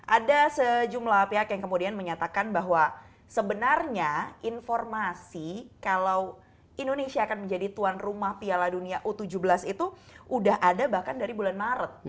ada sejumlah pihak yang kemudian menyatakan bahwa sebenarnya informasi kalau indonesia akan menjadi tuan rumah piala dunia u tujuh belas itu sudah ada bahkan dari bulan maret